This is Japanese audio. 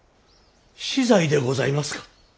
死罪でございますか。